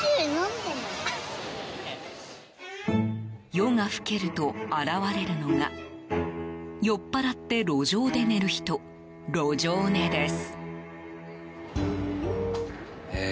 夜が更けると現れるのが酔っぱらって路上で寝る人路上寝です。